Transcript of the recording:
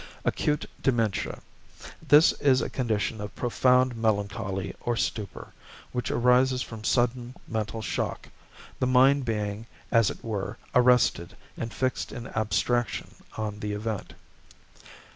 =Acute Dementia.= This is a condition of profound melancholy or stupor, which arises from sudden mental shock, the mind being, as it were, arrested and fixed in abstraction on the event.